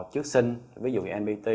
trước sinh ví dụ như nbt